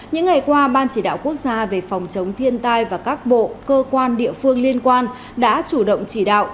những ngày qua ban chỉ đạo quốc gia về phòng chống thiên tai và các bộ cơ quan địa phương liên quan đã chủ động chỉ đạo